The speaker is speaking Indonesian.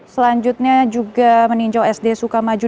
selanjutnya juga meninjau sd sukamaju